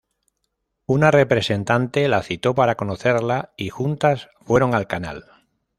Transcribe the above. Una representante la citó para conocerla y juntas fueron al canal.